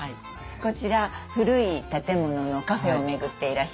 こちら古い建物のカフェを巡っていらっしゃる。